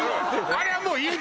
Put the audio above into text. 「あれはもういい！」